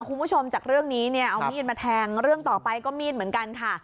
คุณผู้ชมจากเรื่องนี้เนี่ยเอามีดมาแทงเรื่องต่อไปก็มีดเหมือนกันค่ะ